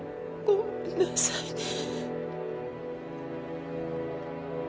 ごめんなさいね。